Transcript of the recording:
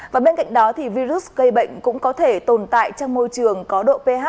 và bên cạnh đó thì virus gây bệnh cũng có thể tồn tại trong môi trường có độ ph